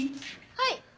はい。